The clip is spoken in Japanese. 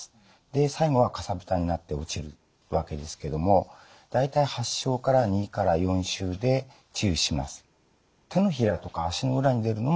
で最後はかさぶたになって落ちるわけですけども大体発症から２４週で治癒します。